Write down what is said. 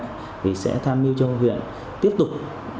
thì sẽ tham mưu cho huyện tiếp tục